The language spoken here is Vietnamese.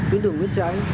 tuyến đường nguyễn trái